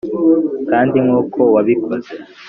kandi nkuko wabikoze